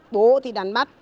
bố thì đánh bắt